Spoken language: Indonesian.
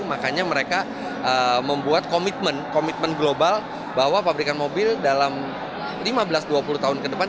makanya mereka membuat komitmen komitmen global bahwa pabrikan mobil dalam lima belas dua puluh tahun ke depan